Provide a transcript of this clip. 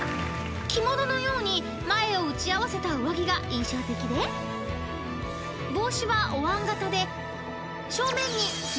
［着物のように前を打ち合わせた上着が印象的で帽子はおわん形で正面に］